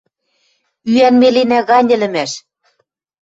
Ӱӓн меленӓ гань ӹлӹмӓш.